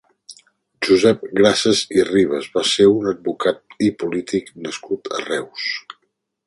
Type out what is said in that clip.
Josep Grases i Ribes va ser un advocat i polític nascut a Reus.